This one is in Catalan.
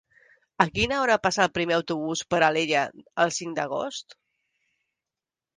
A quina hora passa el primer autobús per Alella el cinc d'agost?